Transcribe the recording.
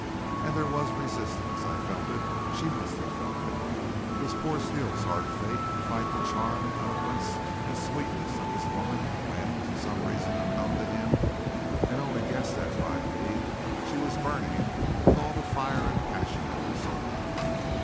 And there was resistance; I felt it; she must have felt it. It was poor Steele's hard fate to fight the charm and eloquence and sweetness of this woman when, for some reason unknown to him, and only guessed at by me, she was burning with all the fire and passion of her soul.